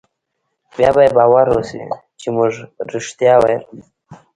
بيا به يې باور رايشي چې مونګه رښتيا ويل.